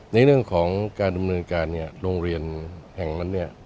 ในเรื่องของการดำเนินการเนี่ยโรงเรียนแห่งนั้นเนี่ย